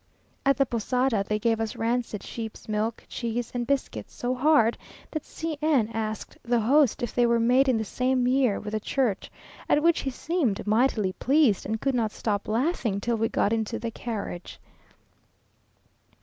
At the posada they gave us rancid sheep's milk, cheese, and biscuits so hard, that C n asked the host if they were made in the same year with the church; at which he seemed mightily pleased, and could not stop laughing till we got into the carriage.